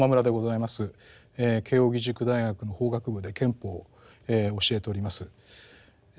慶應義塾大学の法学部で憲法を教えております。